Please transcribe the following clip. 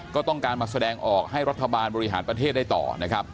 ก็ต้องการมาแสดงออกให้รัฐบาลบริหารประเทศได้ต่อนะครับ